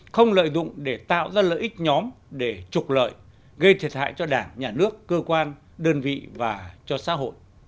không lợi dụng để tạo ra lợi ích nhóm để trục lợi gây thiệt hại cho đảng nhà nước cơ quan đơn vị và cho xã hội